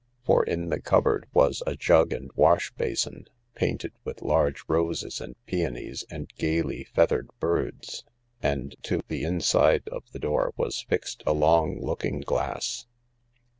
For in the cupboard was a jug and wash basin, painted with large roses and peonies and gaily feathered birds, and to the inside of the door was fixed a long looking glass.